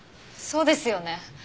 そうですよね。